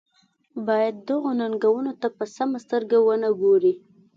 باید دغو ننګونو ته په کمه سترګه ونه ګوري.